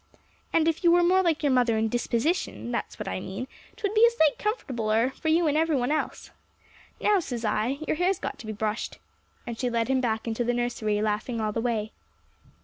"And if you were more like your mother in disposition that's what I mean 'twould be a sight comfortabler for you and every one else. Now, says I, your hair's got to be brushed." And she led him back into the nursery, laughing all the way.